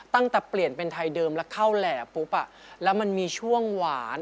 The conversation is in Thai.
ตั้งแต่เปลี่ยนเป็นไทยเดิมแล้วเข้าแหล่ปุ๊บแล้วมันมีช่วงหวาน